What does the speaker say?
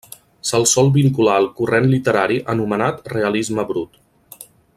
Se'l sol vincular al corrent literari anomenat realisme brut.